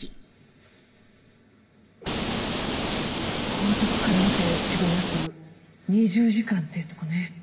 硬直から見て死後約２０時間っていうとこね。